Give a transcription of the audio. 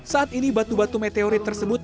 saat ini batu batu meteorit tersebut